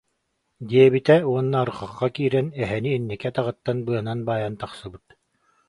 диэбитэ уонна арҕахха киирэн, эһэни инники атаҕыттан быанан баайан тахсыбыт